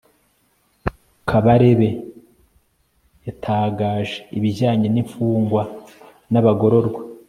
kabarebe yatagaje ibijyanye n'imfungwa n'abagororwa